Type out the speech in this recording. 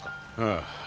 ああ。